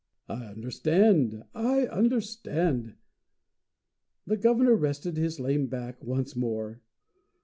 "I understand, I understand!" The Governor rested his lame back once more.